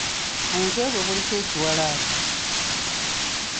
Omutwe gwe guliko ekiwalaata.